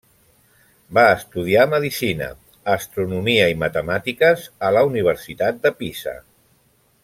Va estudiar medicina, astronomia i matemàtiques a la Universitat de Pisa.